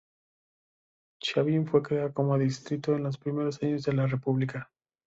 Chavín fue creado como distrito en los primeros años de la República.